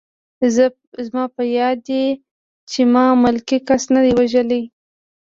زما په یاد دي چې ما ملکي کس نه دی وژلی